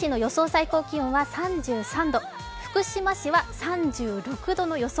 最高気温は３３度、福島市は３６度の予想。